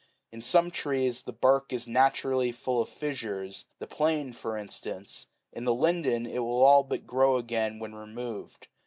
In some trees the bark is naturally full of fissures, the plane for instance : in the linden it will all but grow again when re moved.